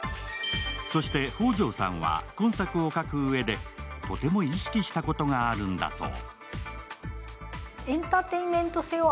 そして方丈さんは今作を書く上でとても意識したことがあるんだそう。